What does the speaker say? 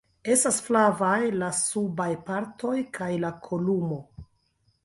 Estas flavaj la subaj partoj kaj la kolumo.